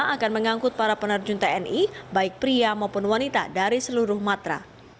akan mengangkut para penerjun tni baik pria maupun wanita dari seluruh matra